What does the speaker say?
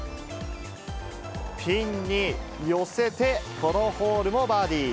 ピンに寄せて、このホールもバーディー。